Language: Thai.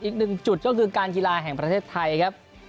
อีกหนึ่งจุดก็คือการกีฬาแห่งประเทศไทยครับ